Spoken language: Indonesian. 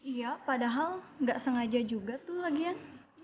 iya padahal nggak sengaja juga tuh lagian